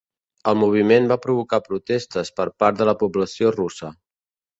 El moviment va provocar protestes per part de la població russa.